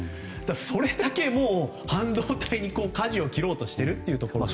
それだけ半導体にかじを切ろうとしているところです。